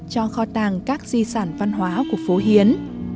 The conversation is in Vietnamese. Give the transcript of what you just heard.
cho kho tàng các di sản văn hóa của phố hiến